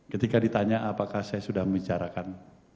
ketika ditanya apakah saya sudah membicarakan